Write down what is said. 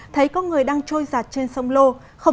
thấy có người đang trôi giặt trên sông lô